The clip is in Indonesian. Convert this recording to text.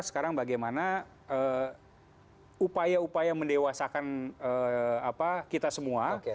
sekarang bagaimana upaya upaya mendewasakan kita semua